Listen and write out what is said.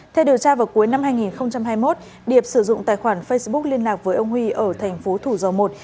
theo điều tra vào cuối năm hai nghìn hai mươi một điệp sử dụng tài khoản facebook liên lạc với ông huy ở thành phố thủ dầu một